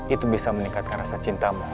itu bisa meningkatkan rasa cintamu